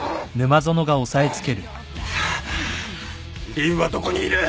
凜はどこにいる？